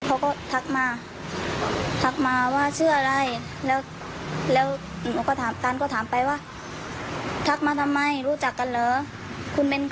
โอคอลมาเขาบอกให้เปิดกล้อง